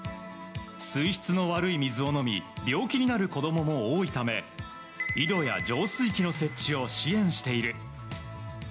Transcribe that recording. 水質の悪い水を飲み病気になる子供も多いため井戸や浄水器の設置を支援している。